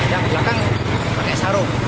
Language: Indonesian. yang belakang pakai sarung